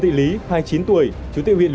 thưa quý vị